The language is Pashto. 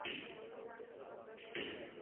ښایست د مینې له لمبو جوړ دی